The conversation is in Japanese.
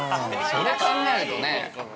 それ考えるとね。